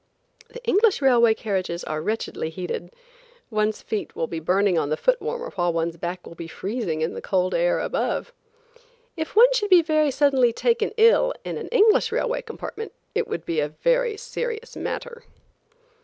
The English railway carriages are wretchedly heated. One's feet will be burning on the foot warmer while one's back will be freezing in the cold air above. If one should be taken suddenly ill in an English railway compartment, it would be a very serious matter.